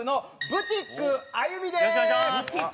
ブティックあゆみ。